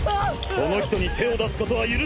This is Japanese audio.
その人に手を出すことは許さん！